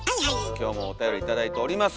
今日もおたより頂いております。